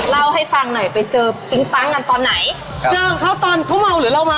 เล่าให้ฟังหน่อยไปเจอปิ๊งปั๊งกันตอนไหนเจอเขาตอนเขาเมาหรือเราเมา